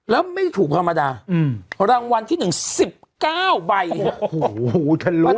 แล้วไม่ถูกภรรดาอืมรางวัลที่หนึ่งสิบเก้าใบโอ้โหท่านรู้